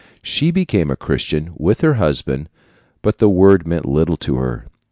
She became a Christian with her husband, but the word meant little to her.